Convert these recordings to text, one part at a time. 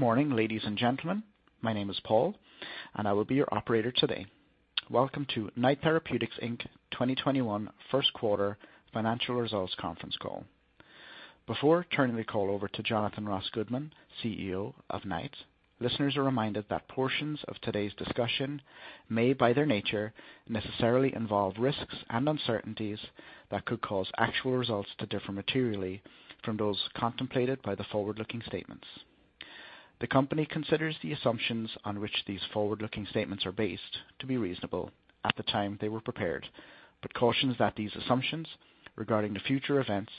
Good morning, ladies and gentlemen. My name is Paul, and I will be your operator today. Welcome to Knight Therapeutics Inc. 2021 First Quarter Financial Results Conference Call. Before turning the call over to Jonathan Ross Goodman, CEO of Knight, listeners are reminded that portions of today's discussion may, by their nature, necessarily involve risks and uncertainties that could cause actual results to differ materially from those contemplated by the forward-looking statements. The company considers the assumptions on which these forward-looking statements are based to be reasonable at the time they were prepared, but cautions that these assumptions regarding the future events,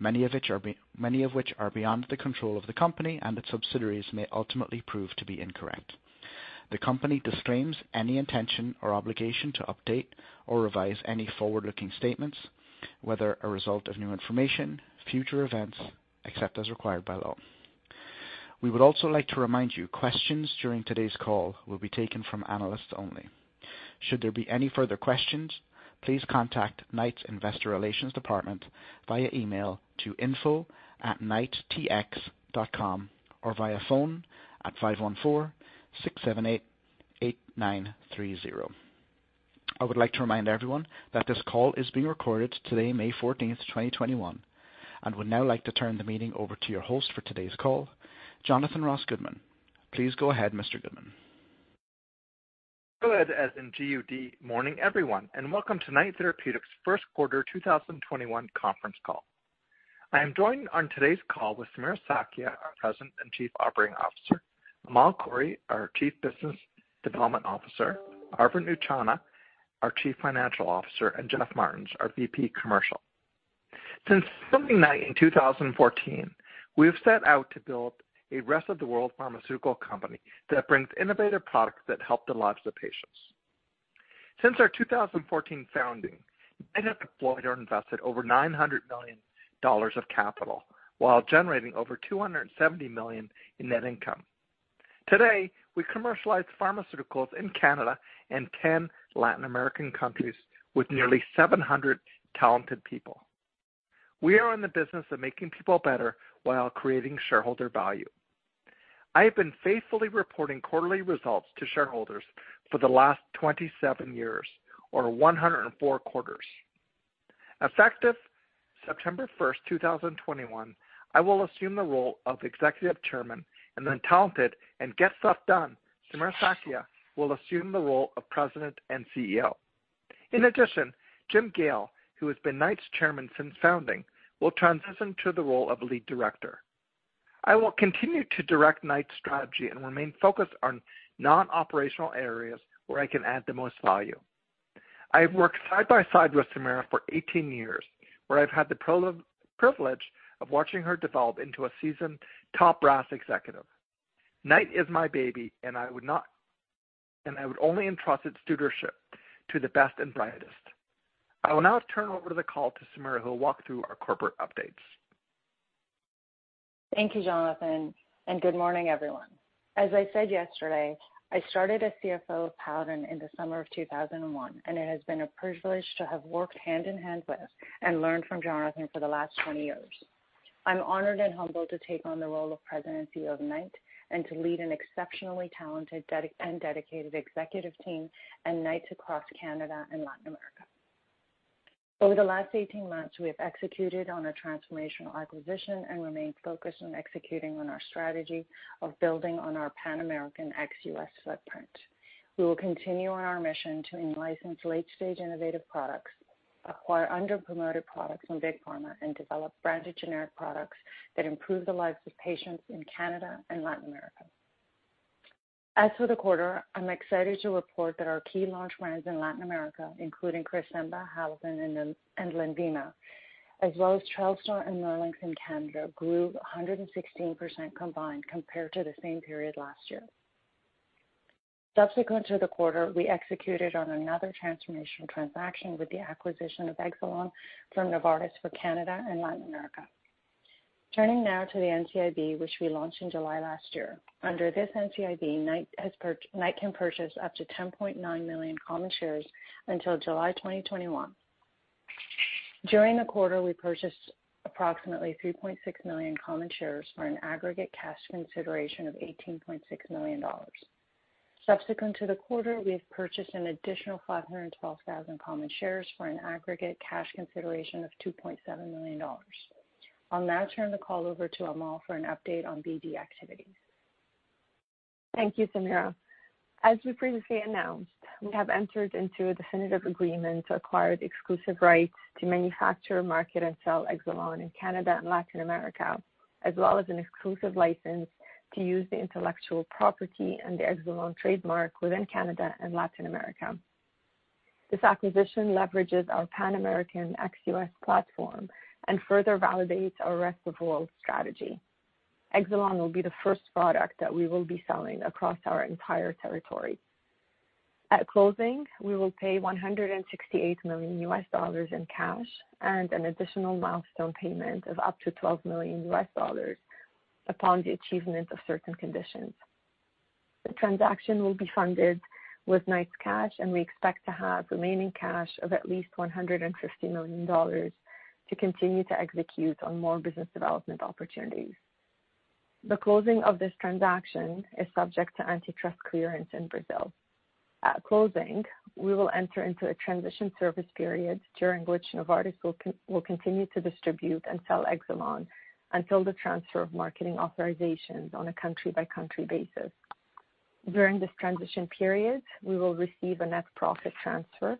many of which are beyond the control of the company and its subsidiaries may ultimately prove to be incorrect. The company disclaims any intention or obligation to update or revise any forward-looking statements, whether a result of new information, future events, except as required by law. We would also like to remind you, questions during today's call will be taken from analysts only. Should there be any further questions, please contact Knight Investor Relations department via email to info@knighttx.com or via phone at (514) 678-8930. I would like to remind everyone that this call is being recorded today, May 14th, 2021, and would now like to turn the meeting over to your host for today's call, Jonathan Ross Goodman. Please go ahead, Mr. Goodman. Good, as in G-U-D, morning, everyone, and welcome to Knight Therapeutics' first quarter 2021 conference call. I am joined on today's call with Samira Sakhia, our President and Chief Operating Officer, Amal Khouri, our Chief Business Development Officer, Arvind Utchanah, our Chief Financial Officer, and Jeff Martens, our VP, Commercial. Since founding Knight in 2014, we've set out to build a rest-of-the-world pharmaceutical company that brings innovative products that help the lives of patients. Since our 2014 founding, Knight has deployed or invested over 900 million dollars of capital while generating over 270 million in net income. Today, we commercialize pharmaceuticals in Canada and 10 Latin American countries with nearly 700 talented people. We are in the business of making people better while creating shareholder value. I have been faithfully reporting quarterly results to shareholders for the last 27 years or 104 quarters. Effective September 1st, 2021, I will assume the role of Executive Chairman and the talented and get stuff done, Samira Sakhia will assume the role of President and CEO. In addition, James Gale, who has been Knight Chairman since founding, will transition to the role of Lead Director. I will continue to direct Knight strategy and remain focused on non-operational areas where I can add the most value. I have worked side by side with Samira for 18 years, where I've had the privilege of watching her develop into a seasoned top brass executive. Knight is my baby, and I would only entrust its stewardship to the best and brightest. I will now turn over the call to Samira, who will walk through our corporate updates. Thank you, Jonathan. Good morning, everyone. As I said yesterday, I started as CFO of Paladin in the summer of 2001, and it has been a privilege to have worked hand-in- hand with and learned from Jonathan for the last 20 years. I'm honored and humbled to take on the role of President and CEO of Knight and to lead an exceptionally talented and dedicated executive team and Knight across Canada and Latin America. Over the last 18 months, we have executed on a transformational acquisition and remain focused on executing on our strategy of building on our Pan-American ex-U.S. footprint. We will continue on our mission to in-license late-stage innovative products, acquire under-promoted products from Big Pharma, and develop branded generic products that improve the lives of patients in Canada and Latin America. As for the quarter, I'm excited to report that our key launch plans in Latin America, including Cresemba, HALAVEN, and Lenvima, as well as Trelstar and NERLYNX in Canada, grew 116% combined compared to the same period last year. Subsequent to the quarter, we executed on another transformational transaction with the acquisition of Exelon from Novartis for Canada and Latin America. Turning now to the NCIB, which we launched in July last year. Under this NCIB, Knight can purchase up to 10.9 million common shares until July 2021. During the quarter, we purchased approximately 3.6 million common shares for an aggregate cash consideration of 18.6 million dollars. Subsequent to the quarter, we have purchased an additional 512,000 common shares for an aggregate cash consideration of 2.7 million dollars. I'll now turn the call over to Amal for an update on BD activities. Thank you, Samira. As we previously announced, we have entered into a definitive agreement to acquire the exclusive rights to manufacture, market, and sell Exelon in Canada and Latin America, as well as an exclusive license to use the intellectual property and the Exelon trademark within Canada and Latin America. This acquisition leverages our Pan-American ex-U.S. platform and further validates our rest-of-world strategy. Exelon will be the first product that we will be selling across our entire territory. At closing, we will pay $168 million in cash and an additional milestone payment of up to $12 million upon the achievement of certain conditions. The transaction will be funded with Knight cash, and we expect to have remaining cash of at least 150 million dollars to continue to execute on more business development opportunities. The closing of this transaction is subject to antitrust clearance in Brazil. At closing, we will enter into a transition service period, during which Novartis will continue to distribute and sell Exelon until the transfer of marketing authorizations on a country-by-country basis. During this transition period, we will receive a net profit transfer,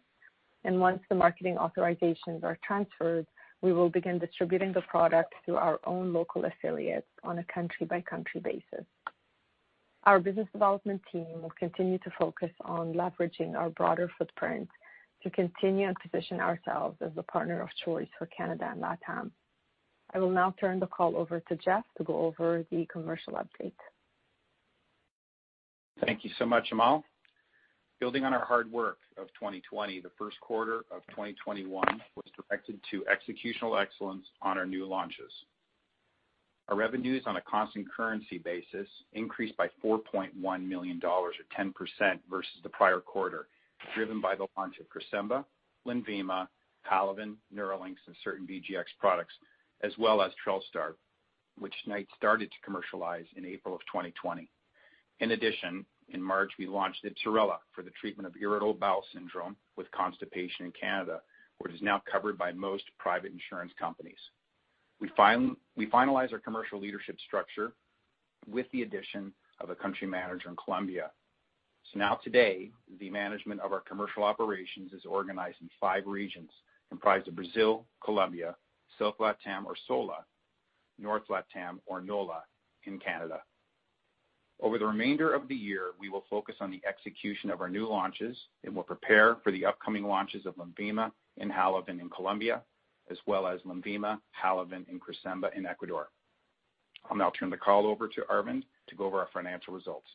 and once the marketing authorizations are transferred, we will begin distributing the product through our own local affiliates on a country-by-country basis. Our business development team will continue to focus on leveraging our broader footprint to continue and position ourselves as the partner of choice for Canada and LATAM. I will now turn the call over to Jeff to go over the commercial update. Thank you so much, Amal. Building on our hard work of 2020, the first quarter of 2021 was directed to executional excellence on our new launches. Our revenues on a constant currency basis increased by 4.1 million dollars, or 10%, versus the prior quarter, driven by the launch of Cresemba, Lenvima, HALAVEN, NERLYNX, and certain BGx products, as well as Trelstar, which Knight started to commercialize in April of 2020. In addition, in March, we launched Ibsrela for the treatment of irritable bowel syndrome with constipation in Canada, which is now covered by most private insurance companies. We finalized our commercial leadership structure with the addition of a country manager in Colombia. Now today, the management of our commercial operations is organized in five regions, comprised of Brazil, Colombia, South LATAM or SOLA, North LATAM or NOLA, and Canada. Over the remainder of the year, we will focus on the execution of our new launches. We'll prepare for the upcoming launches of Lenvima and HALAVEN in Colombia, as well as Lenvima, HALAVEN, and Cresemba in Ecuador. I'll now turn the call over to Arvind to go over our financial results.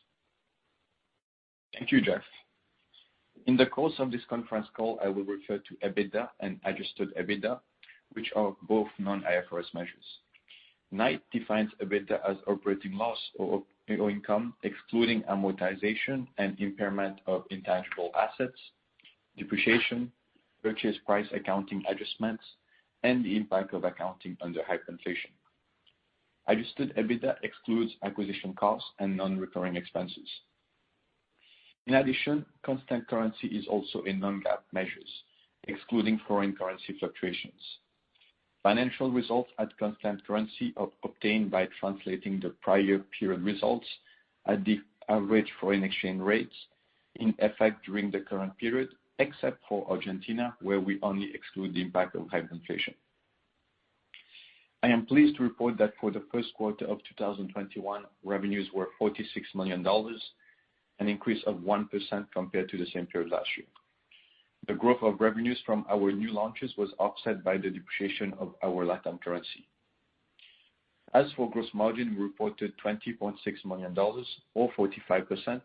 Thank you, Jeff. In the course of this conference call, I will refer to EBITDA and adjusted EBITDA, which are both non-IFRS measures. Knight defines EBITDA as operating loss or income excluding amortization and impairment of intangible assets, depreciation, purchase price accounting adjustments, and the impact of accounting under hyperinflation. Adjusted EBITDA excludes acquisition costs and non-recurring expenses. In addition, constant currency is also a non-GAAP measure excluding foreign currency fluctuations. Financial results at constant currency are obtained by translating the prior period results at the average foreign exchange rates in effect during the current period, except for Argentina, where we only exclude the impact of hyperinflation. I am pleased to report that for the first quarter of 2021, revenues were 46 million dollars, an increase of 1% compared to the same period last year. The growth of revenues from our new launches was offset by the depreciation of our LATAM currency. As for gross margin, we reported 20.6 million dollars, or 45%,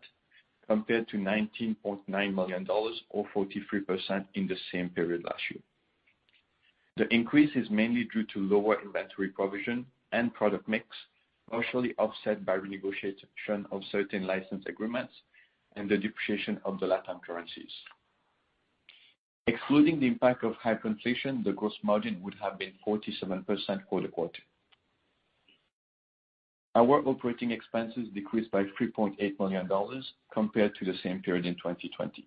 compared to 19.9 million dollars, or 43%, in the same period last year. The increase is mainly due to lower inventory provision and product mix, partially offset by renegotiation of certain license agreements and the depreciation of the LATAM currencies. Excluding the impact of hyperinflation, the gross margin would have been 47% for the quarter. Our operating expenses decreased by 3.8 million dollars compared to the same period in 2020.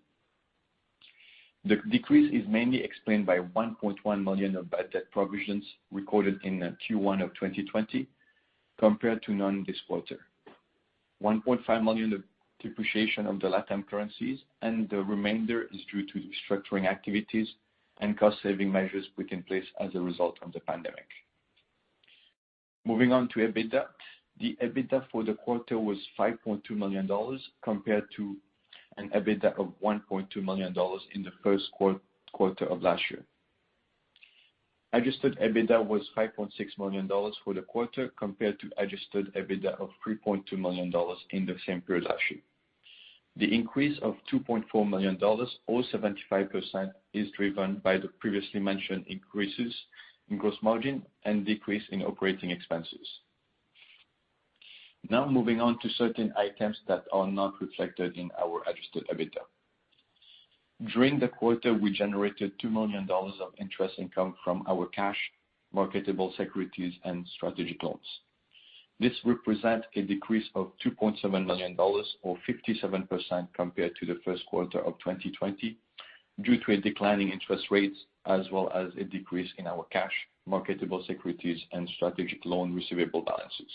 The decrease is mainly explained by 1.1 million of bad debt provisions recorded in Q1 of 2020, compared to none this quarter. 1.5 million of depreciation of the LATAM currencies, and the remainder is due to restructuring activities and cost-saving measures put in place as a result from the pandemic. Moving on to EBITDA. The EBITDA for the quarter was 5.2 million dollars, compared to an EBITDA of 1.2 million dollars in the first quarter of last year. Adjusted EBITDA was 5.6 million dollars for the quarter, compared to adjusted EBITDA of 3.2 million dollars in the same period last year. The increase of 2.4 million dollars, or 75%, is driven by the previously mentioned increases in gross margin and decrease in operating expenses. Now moving on to certain items that are not reflected in our adjusted EBITDA. During the quarter, we generated 2 million dollars of interest income from our cash, marketable securities, and strategic loans. This represents a decrease of 2.7 million dollars, or 57%, compared to the first quarter of 2020 due to a decline in interest rates, as well as a decrease in our cash, marketable securities, and strategic loan receivable balances.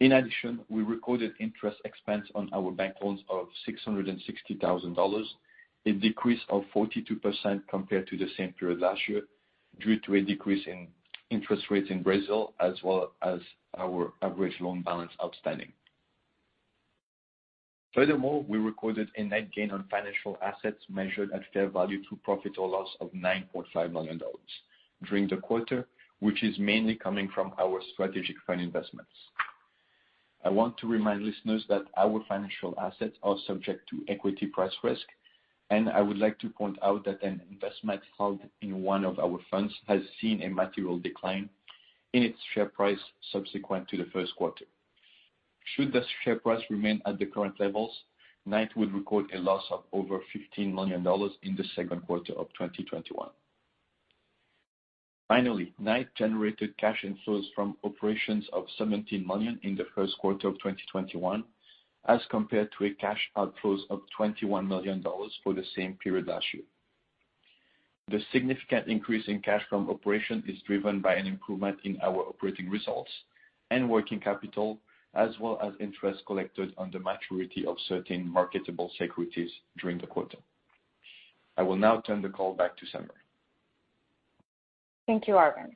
In addition, we recorded interest expense on our bank loans of 660,000 dollars, a decrease of 42% compared to the same period last year due to a decrease in interest rates in Brazil as well as our average loan balance outstanding. Furthermore, we recorded a net gain on financial assets measured at fair value to profit or loss of 9.5 million dollars during the quarter, which is mainly coming from our strategic fund investments. I want to remind listeners that our financial assets are subject to equity price risk. I would like to point out that an investment held in one of our funds has seen a material decline in its share price subsequent to the first quarter. Should the share price remain at the current levels, Knight will record a loss of over 15 million dollars in the second quarter of 2021. Knight generated cash inflows from operations of 17 million in the first quarter of 2021 as compared to cash outflows of 21 million dollars for the same period last year. The significant increase in cash from operations is driven by an improvement in our operating results and working capital, as well as interest collected on the maturity of certain marketable securities during the quarter. I will now turn the call back to Samira. Thank you, Arvind.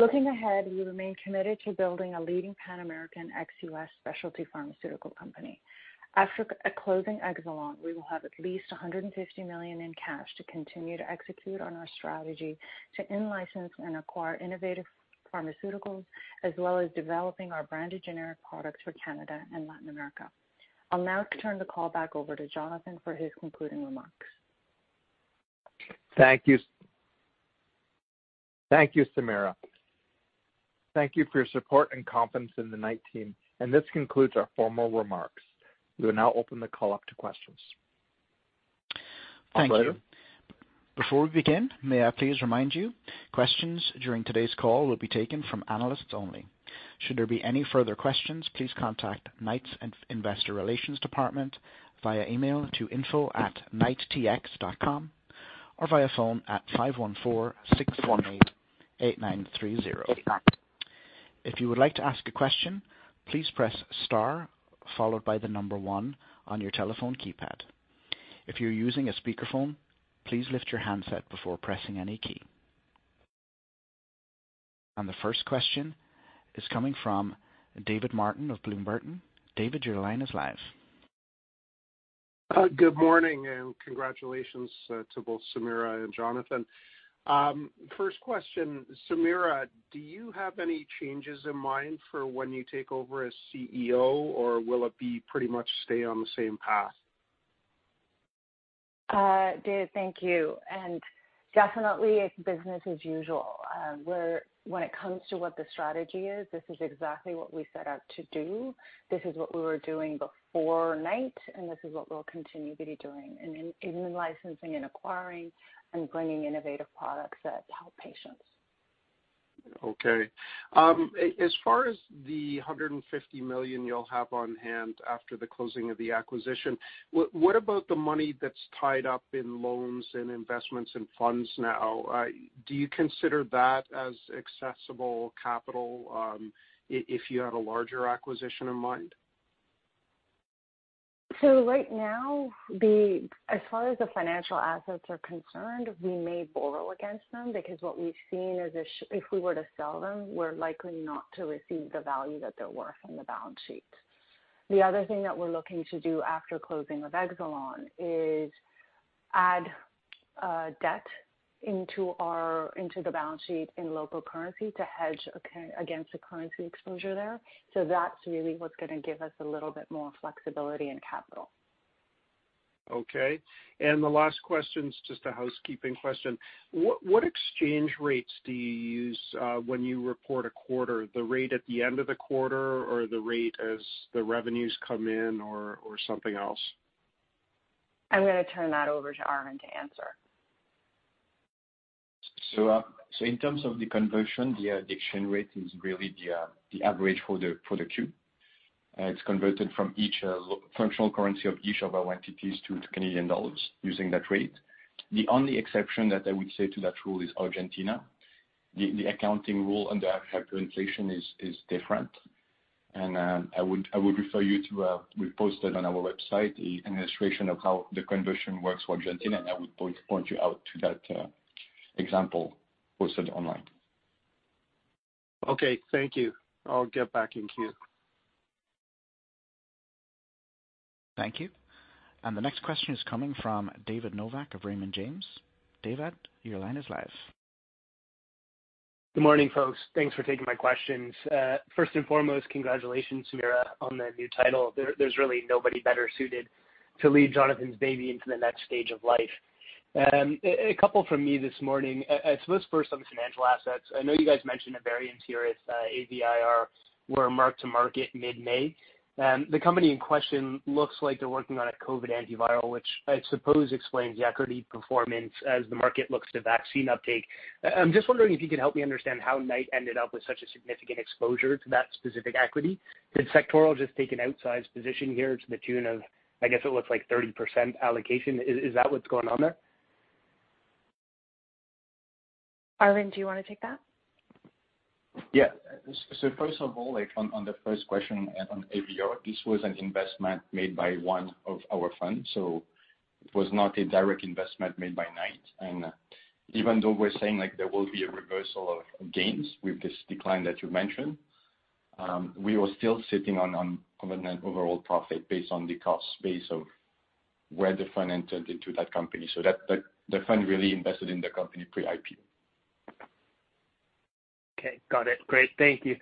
Looking ahead, we remain committed to building a leading Pan-American ex-U.S. specialty pharmaceutical company. After closing Exelon, we will have at least 150 million in cash to continue to execute on our strategy to in-license and acquire innovative pharmaceuticals, as well as developing our brand generic products for Canada and Latin America. I'll now turn the call back over to Jonathan for his concluding remarks. Thank you, Samira. Thank you for your support and confidence in the Knight team. This concludes our formal remarks. We will now open the call up to questions. Thank you. Operator? Before we begin, may I please remind you, questions during today's call will be taken from analysts only. Should there be any further questions, please contact Knight Investor Relations department via email to info@knighttx.com or via phone at (514)-618-8930. If you would like to ask a question please press star followed by the number one on your telephone keypad. If you're using a speaker phone please lift your handset before pressing any key. The first question is coming from David Martin of Bloom Burton. David, your line is live. Good morning. Congratulations to both Samira and Jonathan. First question, Samira, do you have any changes in mind for when you take over as CEO, or will it be pretty much stay on the same path? Dave, thank you. Definitely it's business as usual. When it comes to what the strategy is, this is exactly what we set out to do. This is what we were doing before Knight, this is what we'll continue to be doing in in-licensing and acquiring and bringing innovative products that help patients. Okay. As far as the 150 million you'll have on hand after the closing of the acquisition, what about the money that's tied up in loans and investments and funds now? Do you consider that as accessible capital if you had a larger acquisition in mind? Right now, as far as the financial assets are concerned, we may borrow against them because what we've seen is if we were to sell them, we're likely not to receive the value that they're worth on the balance sheet. The other thing that we're looking to do after closing of Exelon is add debt into the balance sheet in local currency to hedge against the currency exposure there. That's really what's going to give us a little bit more flexibility and capital. Okay. The last question is just a housekeeping question. What exchange rates do you use when you report a quarter? The rate at the end of the quarter or the rate as the revenues come in or something else? I'm going to turn that over to Arvind to answer. In terms of the conversion, the exchange rate is really the average for the Q. It's converted from each functional currency of each of our entities to Canadian dollars using that rate. The only exception that I would say to that rule is Argentina. The accounting rule and the calculation is different. I would refer you to, we posted on our website, the illustration of how the conversion works for Argentina, and I would point you out to that example posted online. Okay. Thank you. I'll get back in queue. Thank you. The next question is coming from David Novak of Raymond James. David, your line is live. Good morning, folks. Thanks for taking my questions. First and foremost, congratulations, Samira, on the new title. There's really nobody better suited to lead Jonathan's baby into the next stage of life. Two from me this morning. Let's first on financial assets. I know you guys mentioned a variance here at AVIR were mark-to-market mid-May. The company in question looks like they're working on a COVID antiviral, which I suppose explains the equity performance as the market looks to vaccine uptake. I'm just wondering if you can help me understand how Knight ended up with such a significant exposure to that specific equity. Did Sectoral just take an outsized position here to the tune of, I guess it looks like 30% allocation. Is that what's going on there? Arvind, do you want to take that? Yeah. First of all, on the first question on AVIR, this was an investment made by one of our funds, so it was not a direct investment made by Knight. Even though we're saying there will be a reversal of gains with this decline that you mentioned, we are still sitting on an overall profit based on the cost base of where the fund entered into that company. The fund really invested in the company pre-IPO. Okay, got it. Great, thank you.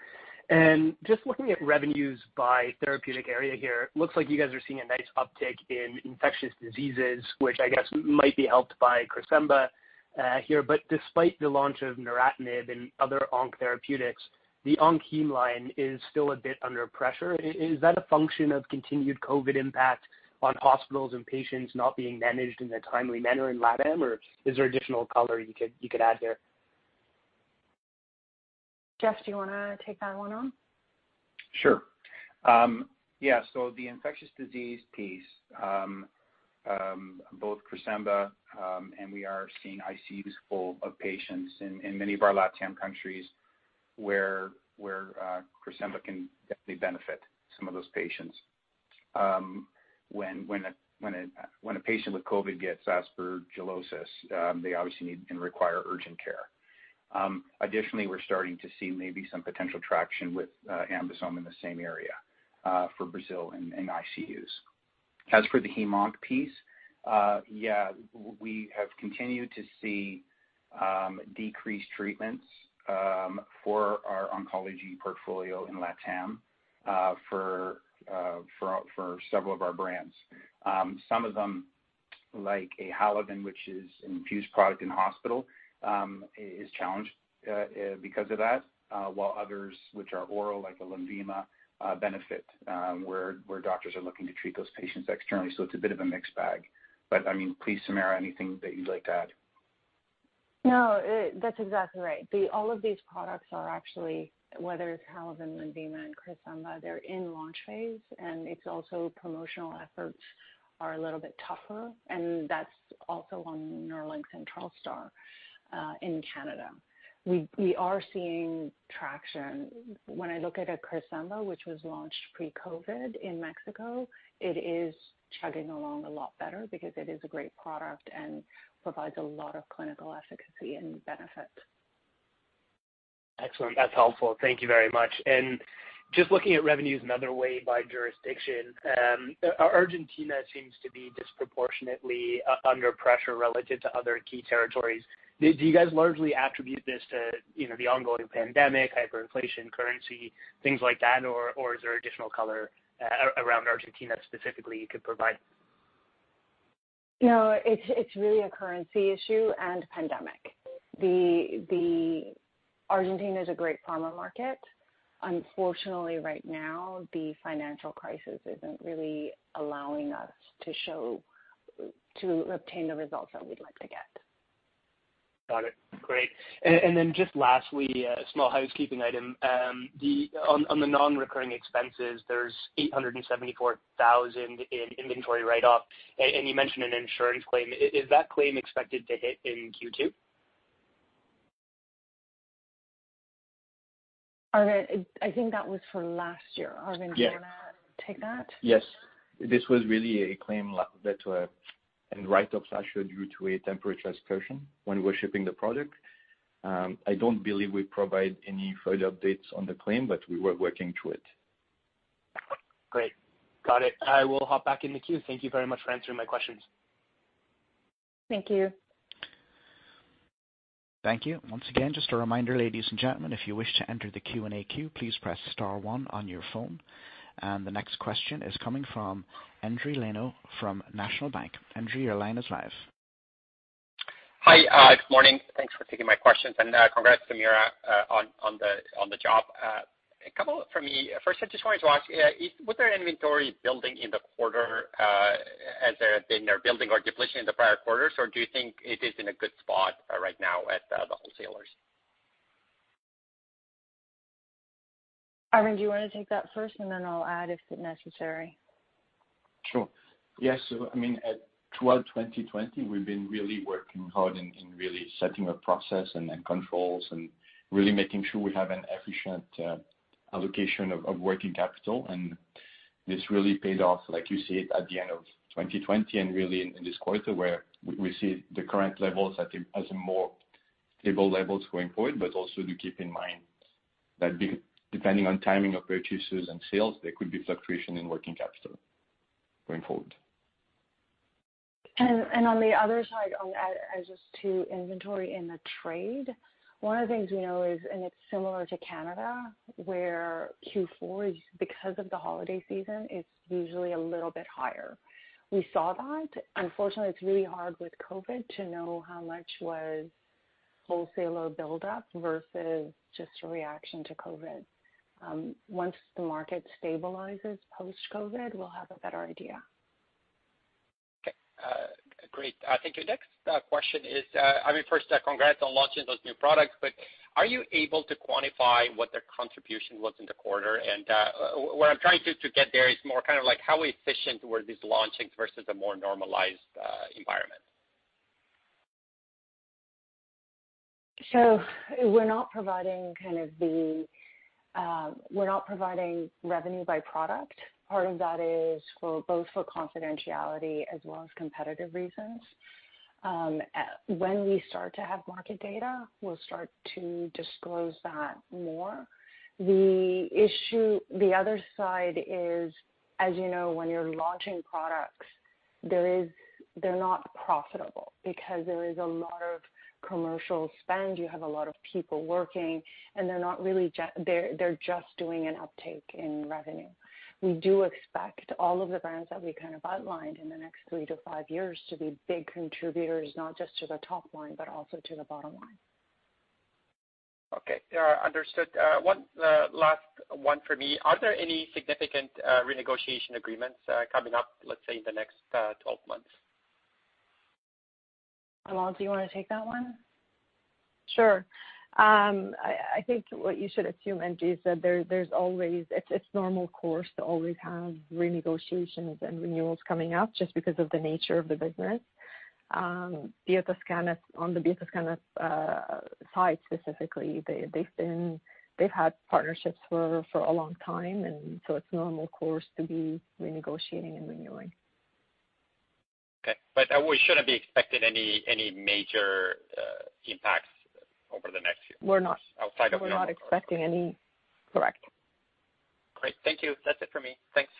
Just looking at revenues by therapeutic area here, looks like you guys are seeing a nice uptick in infectious diseases, which I guess might be helped by Cresemba here. Despite the launch of neratinib and other onc therapeutics, the onc hem line is still a bit under pressure. Is that a function of continued COVID impact on hospitals and patients not being managed in a timely manner in LATAM? Is there additional color you could add there? Jeff, do you want to take that one on? Sure. Yeah, so the infectious disease piece, both Cresemba, and we are seeing ICUs full of patients in many of our LATAM countries where Cresemba can definitely benefit some of those patients. When a patient with COVID gets aspergillosis, they obviously need and require urgent care. Additionally, we're starting to see maybe some potential traction with AmBisome in the same area for Brazil and ICUs. As for the hem onc piece, yeah, we have continued to see decreased treatments for our oncology portfolio in LATAM for several of our brands. Some of them, like a HALAVEN, which is an infused product in hospital, is challenged because of that, while others which are oral, like a Lenvima, benefit where doctors are looking to treat those patients externally. It's a bit of a mixed bag. Please, Samira, anything that you'd like to add? That's exactly right. All of these products are actually, whether it's HALAVEN, Lenvima, and Cresemba, they're in launch phase, and it's also promotional efforts are a little bit tougher, and that's also on NERLYNX and Trelstar in Canada. We are seeing traction. When I look at a Cresemba, which was launched pre-COVID in Mexico, it is chugging along a lot better because it is a great product and provides a lot of clinical efficacy and benefit. Excellent. That's helpful. Thank you very much. Just looking at revenues another way by jurisdiction, Argentina seems to be disproportionately under pressure relative to other key territories. Do you guys largely attribute this to the ongoing pandemic, hyperinflation, currency, things like that, or is there additional color around Argentina specifically you could provide? No, it's really a currency issue and pandemic. Argentina is a great pharma market. Unfortunately, right now, the financial crisis isn't really allowing us to obtain the results that we'd like to get. Got it. Great. Just lastly, a small housekeeping item. On the non-recurring expenses, there's 874,000 in inventory write-off, and you mentioned an insurance claim. Is that claim expected to hit in Q2? Arvind, I think that was for last year. Yeah. Arvind, do you want to take that? Yes. This was really a claim that and write-offs are showed] due to a temperature excursion when we were shipping the product. I don't believe we provide any further updates on the claim, but we were working through it. Great, got it. I will hop back in the queue. Thank you very much for answering my questions. Thank you. Thank you. Once again, just a reminder, ladies and gentlemen, if you wish to enter the Q&A queue, please press star one on your phone. The next question is coming from Endri Leno from National Bank. Endri, your line is live. Hi, good morning. Thanks for taking my questions. Congrats, Samira, on the job. A couple from me. First, I just wanted to ask, was there inventory building in the quarter as there had been a building or depletion in the prior quarters, or do you think it is in a good spot right now at the wholesalers? Arvind, do you want to take that first, and then I'll add if necessary. Sure. Yes. At throughout 2020, we've been really working hard in setting a process and controls and making sure we have an efficient allocation of working capital. This really paid off, like you see it at the end of 2020 and really in this quarter where we see the current levels as a more stable levels going forward. Also do keep in mind that depending on timing of purchases and sales, there could be fluctuation in working capital going forward. On the other side, on as to inventory in the trade, one of the things we know is, and it's similar to Canada, where Q4 is because of the holiday season, it's usually a little bit higher. We saw that. Unfortunately, it's really hard with COVID to know how much was wholesaler buildup versus just a reaction to COVID. Once the market stabilizes post-COVID, we'll have a better idea. Okay. Great. Thank you. Next question is, first, congrats on launching those new products. Are you able to quantify what their contribution was in the quarter? What I'm trying to get there is more kind of like how efficient were these launchings versus a more normalized environment? We're not providing revenue by product. Part of that is both for confidentiality as well as competitive reasons. When we start to have market data, we'll start to disclose that more. The other side is, as you know, when you're launching products, they're not profitable because there is a lot of commercial spend. You have a lot of people working, and they're just doing an uptake in revenue. We do expect all of the brands that we outlined in the next three to five years to be big contributors, not just to the top line, but also to the bottom line. Okay. Understood. One last one for me. Are there any significant renegotiation agreements coming up, let's say, in the next 12 months? Amal, do you want to take that one? Sure. I think what you should assume, Endri, it's normal course to always have renegotiations and renewals coming up just because of the nature of the business. On the Biotoscana site specifically, they've had partnerships for a long time. It's normal course to be renegotiating and renewing. Okay. We shouldn't be expecting any major impacts over the next few. We're not. Outside of normal? We're not expecting any. Correct. Great. Thank you. That's it for me. Thanks.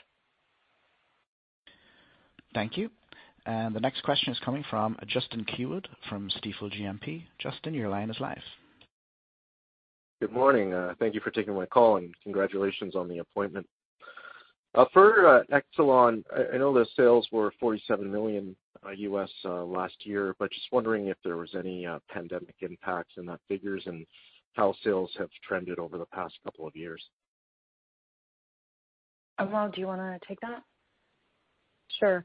Thank you. The next question is coming from Justin Keywood from Stifel GMP. Justin, your line is live. Good morning. Thank you for taking my call, congratulations on the appointment. For Exelon, I know the sales were $47 million last year, just wondering if there was any pandemic impacts in that figures, how sales have trended over the past couple of years. Amal, do you want to take that? Sure.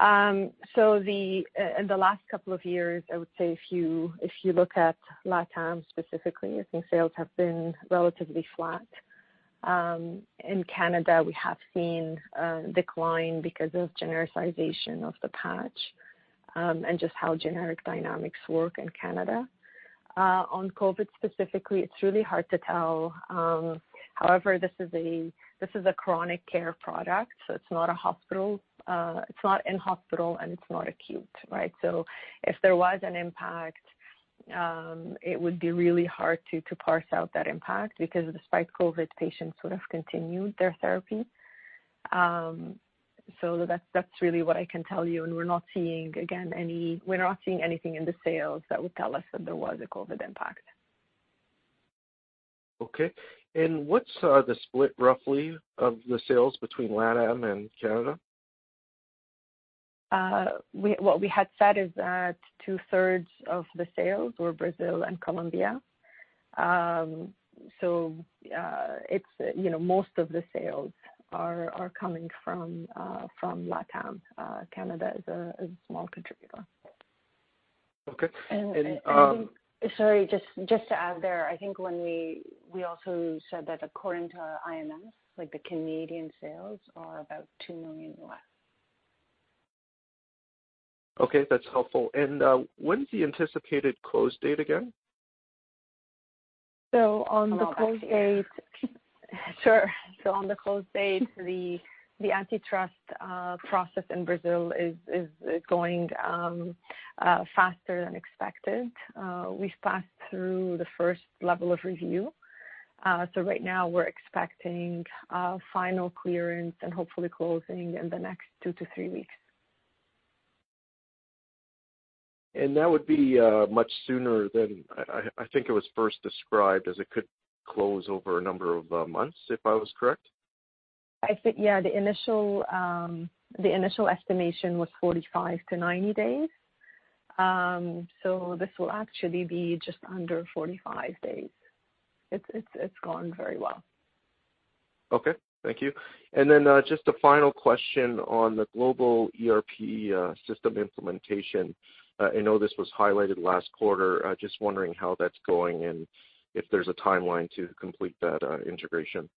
In the last couple of years, I would say if you look at LATAM specifically, I think sales have been relatively flat. In Canada, we have seen a decline because of genericization of the patch and just how generic dynamics work in Canada. On COVID specifically, it's really hard to tell. However, this is a chronic care product, so it's not in-hospital, and it's not acute. Right? If there was an impact, it would be really hard to parse out that impact because despite COVID, patients would have continued their therapy. That's really what I can tell you, and we're not seeing anything in the sales that would tell us that there was a COVID impact. Okay. What's the split, roughly, of the sales between LATAM and Canada? We had said is that 2/3 of the sales were Brazil and Colombia. Most of the sales are coming from LATAM. Canada is a small contributor. Okay. Sorry, just to add there, I think when we also said that according to IMS, the Canadian sales are about 2 million less. Okay, that's helpful. When's the anticipated close date again? On the close date. Amal, that's for you. Sure. On the close date, the antitrust process in Brazil is going faster than expected. We've passed through the first level of review. Right now we're expecting a final clearance and hopefully closing in the next two to three weeks. That would be much sooner than, I think it was first described as it could close over a number of months, if I was correct. Yeah, the initial estimation was 45-90 days. This will actually be just under 45 days. It's gone very well. Okay. Thank you. Just a final question on the global ERP system implementation. I know this was highlighted last quarter. Just wondering how that's going and if there's a timeline to complete that integration.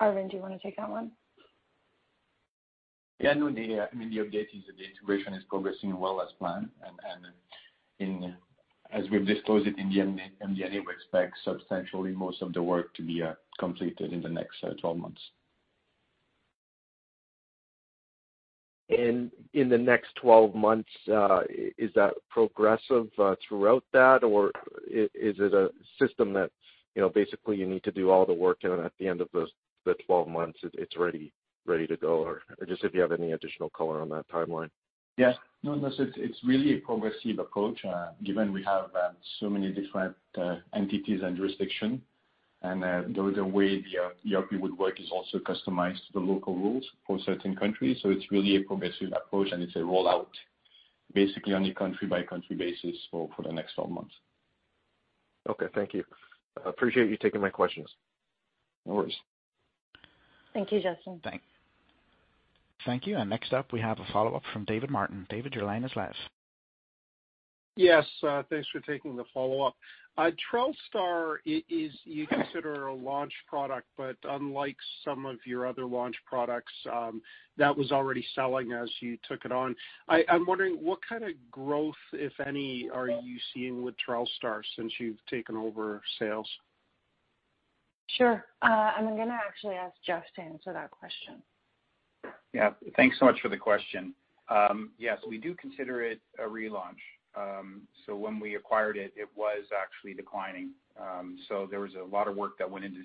Arvind, do you want to take that one? Yeah. No, the update is that the integration is progressing well as planned, and as we've disclosed it in the MD&A, we expect substantially most of the work to be completed in the next 12 months. In the next 12 months, is that progressive throughout that, or is it a system that basically you need to do all the work and at the end of the 12 months it's ready to go? Just if you have any additional color on that timeline? Yeah. No, it's really a progressive approach, given we have so many different entities and jurisdiction. The way the ERP would work is also customized to the local rules for certain countries. It's really a progressive approach, and it's a rollout basically on a country-by-country basis for the next 12 months. Okay. Thank you. I appreciate you taking my questions. No worries. Thank you, Justin. Thanks. Thank you. Next up, we have a follow-up from David Martin. David, your line is live. Yes. Thanks for taking the follow-up. Trelstar you consider a launch product, but unlike some of your other launch products, that was already selling as you took it on. I'm wondering what kind of growth, if any, are you seeing with Trelstar since you've taken over sales? Sure. I'm going to actually ask Jeff to answer that question. Thanks so much for the question. Yes, we do consider it a relaunch. When we acquired it was actually declining. There was a lot of work that went into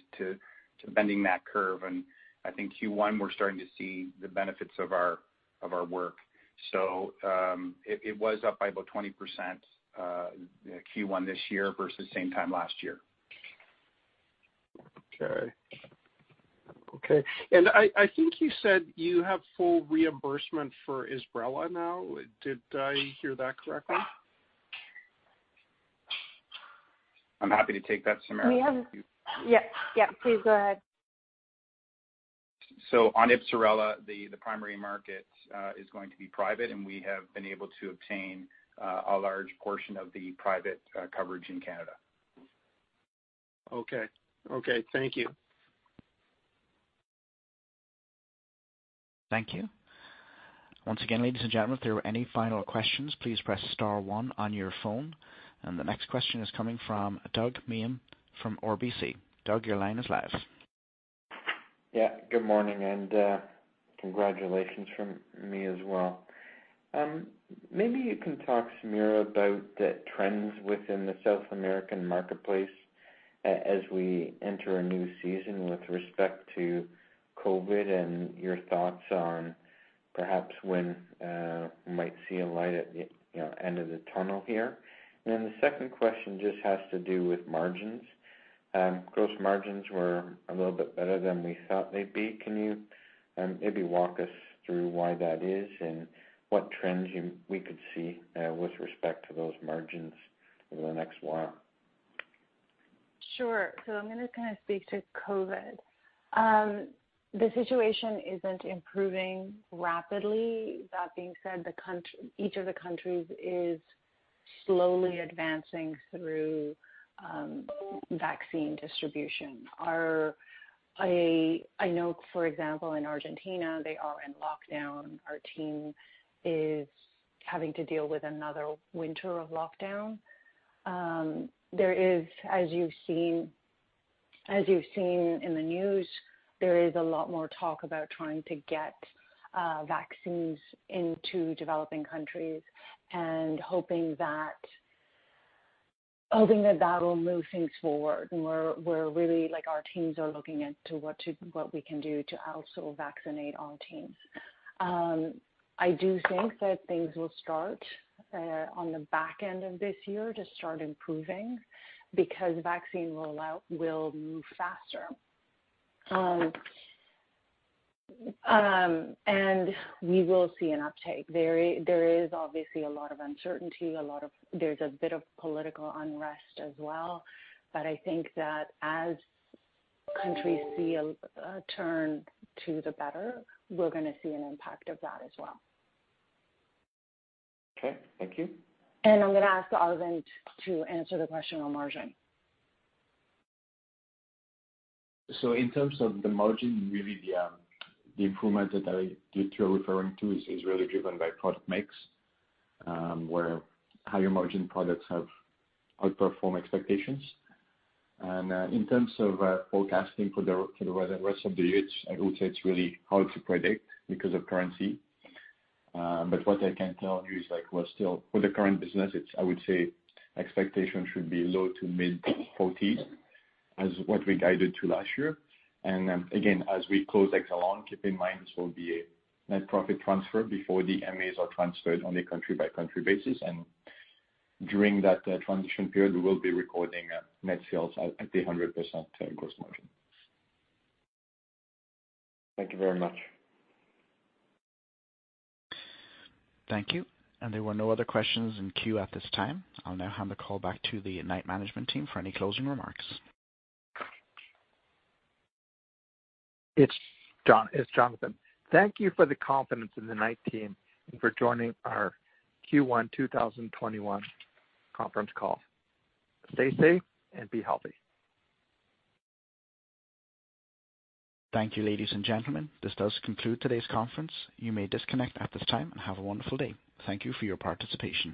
bending that curve, and I think Q1, we're starting to see the benefits of our work. It was up by about 20% Q1 this year versus same time last year. Okay. I think you said you have full reimbursement for Ibsrela now. Did I hear that correctly? I'm happy to take that, Samira. Yeah. Please go ahead. On Ibsrela, the primary market is going to be private, and we have been able to obtain a large portion of the private coverage in Canada. Okay. Thank you. Thank you. Once again, ladies and gentlemen, if there are any final questions, please press star one on your phone. The next question is coming from Doug Miehm from RBC. Doug, your line is live. Yeah, good morning. Congratulations from me as well. Maybe you can talk, Samira, about the trends within the South American marketplace as we enter a new season with respect to COVID and your thoughts on perhaps when we might see a light at the end of the tunnel here. The second question just has to do with margins. Gross margins were a little bit better than we thought they'd be. Can you maybe walk us through why that is and what trends we could see with respect to those margins over the next while? Sure. I'm going to kind of speak to COVID. The situation isn't improving rapidly. That being said, each of the countries is slowly advancing through vaccine distribution. I know, for example, in Argentina, they are in lockdown. Our team is having to deal with another winter of lockdown. As you've seen in the news, there is a lot more talk about trying to get vaccines into developing countries and hoping that that'll move things forward. Our teams are looking into what we can do to also vaccinate our teams. I do think that things will start, on the back end of this year, to start improving because vaccine rollout will move faster. We will see an uptake. There is obviously a lot of uncertainty. There's a bit of political unrest as well. I think that as countries see a turn to the better, we're going to see an impact of that as well. Okay. Thank you. I'm going to ask Arvind to answer the question on margin. In terms of the margin, really the improvement that you're referring to is really driven by product mix, where higher margin products have outperformed expectations. In terms of forecasting for the rest of the year, I would say it's really hard to predict because of currency. What I can tell you is for the current business, I would say expectations should be low to mid-40s as what we guided to last year. Again, as we close Exelon, keep in mind this will be a net profit transfer before the MAs are transferred on a country-by-country basis. During that transition period, we will be recording net sales at the 100% gross margin. Thank you very much. Thank you. There were no other questions in queue at this time. I'll now hand the call back to the Knight management team for any closing remarks. It's Jonathan. Thank you for the confidence in the Knight team and for joining our Q1 2021 conference call. Stay safe and be healthy. Thank you, ladies and gentlemen. This does conclude today's conference. You may disconnect at this time, and have a wonderful day. Thank you for your participation.